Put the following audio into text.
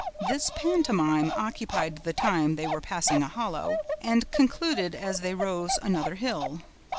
This pantomime occupied the time they were passing a hollow, and concluded as they rose another hill.